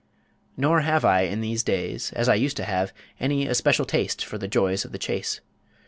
Nor have I in these days, as I used to have, any especial taste for the joys of the chase.